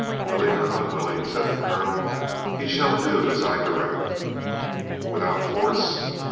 "Willing or unwilling," said the colonel, "he shall do as I direct!" "Without force?"